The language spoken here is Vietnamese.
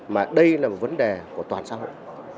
mà đây là một vấn đề của toàn xã hội